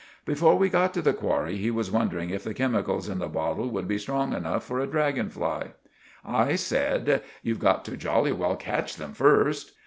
Before we got to the qwarry he was wondering if the cemicals in the bottle would be strong enough for a draggon fly. I said— "You've got to jolly well catch them first."